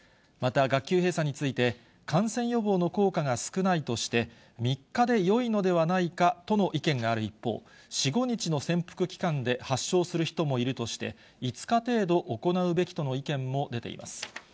また、学級閉鎖について、感染予防の効果が少ないとして、３日でよいのではないかとの意見がある一方、４、５日の潜伏期間で発症する人もいるとして、５日程度行うべきとの意見も出ています。